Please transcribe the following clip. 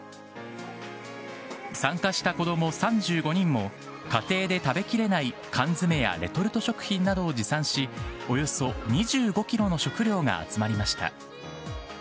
参加した子ども３５人も、家庭で食べきれない缶詰やレトルト食品などを持参し、およそ２５キロの食料が集まりました。